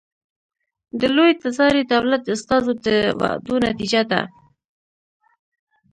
د لوی تزاري دولت د استازو د وعدو نتیجه ده.